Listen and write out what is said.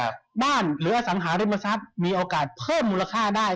บ้านหรืออสังหาริมทรัพย์มีโอกาสเพิ่มมูลค่าได้